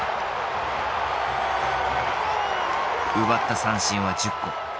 奪った三振は１０個。